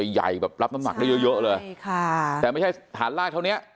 ใหญ่ใหญ่แบบรับน้ำหนักได้เยอะเยอะเลยใช่ค่ะแต่ไม่ใช่ฐานลากเท่านี้